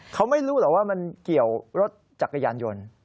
เขาไม่รู้เหรอว่ามันเกี่ยวรถจักรยานยนต์